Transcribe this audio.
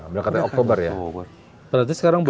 berarti sekarang bulan oktober